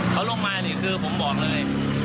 เขาลงมานี่คือผมบอกเลย